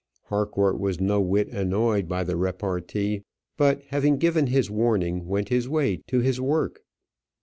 Harcourt was no whit annoyed by the repartee, but having given his warning, went his way to his work.